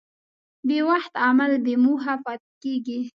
بېوخت عمل بېموخه پاتې کېږي.